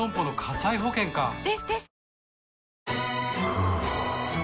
ふぅ